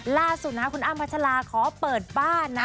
ล่าสุดนะคุณอ้ำพัชลาขอเปิดบ้านนะ